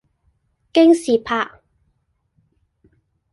京士柏